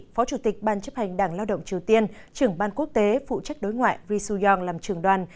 phó chủ tịch ban chấp hành đảng lao động triều tiên trưởng ban quốc tế phụ trách đối ngoại risu yong làm trường đoàn